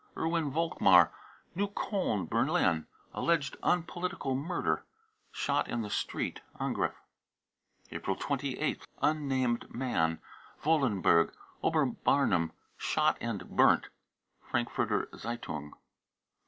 ERWIN volkmar, Neukolln, Berlin, alleged unpolitical murder, shot in the street. (Angriff.) April 28th. unnamed man, Wollenberg, Oberbarnim, shot and burnt. (Frankfurter Zeitung.)